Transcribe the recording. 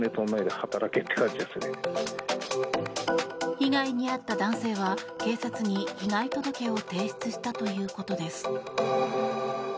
被害に遭った男性は警察に被害届を提出したということです。